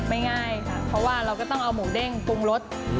ง่ายค่ะเพราะว่าเราก็ต้องเอาหมูเด้งปรุงรส